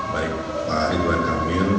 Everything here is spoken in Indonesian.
baik pak ridwan kamil